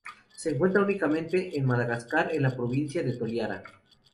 Se encuentra únicamente en Madagascar en la provincia de Toliara.